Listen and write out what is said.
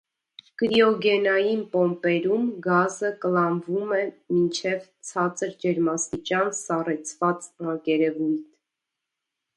Կրիոգենային պոմպերում գազը կլանվում է մինչե ցածր ջերմաստիճան սառեցված մակերևույթ։